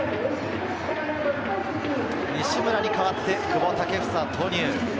西村に代わって、久保建英、投入。